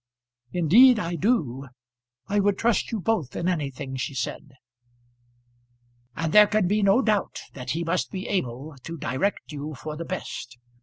"Indeed I do; I would trust you both in anything," she said. "And there can be no doubt that he must be able to direct you for the best.